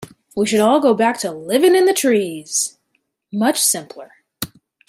We should all go back to living in the trees, much simpler.